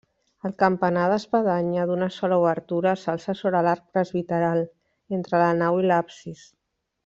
El campanar d'espadanya d'una sola obertura s'alça sobre l'arc presbiteral, entre la nau i l'absis.